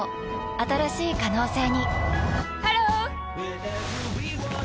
新しい可能性にハロー！